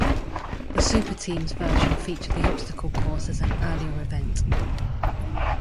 The "Superteams" version featured the obstacle course as an earlier event.